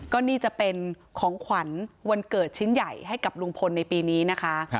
ก็นี่จะเป็นของขวัญวันเกิดชิ้นใหญ่ให้กับลุงพลในปีนี้นะคะ